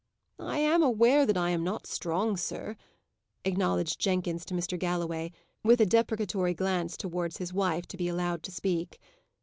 "I am aware that I am not strong, sir," acknowledged Jenkins to Mr. Galloway, with a deprecatory glance towards his wife to be allowed to speak.